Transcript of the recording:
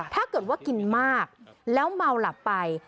ถ้าเกิดว่ากินมากแล้วเมาหลับไป